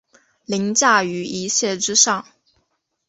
凌驾於一切之上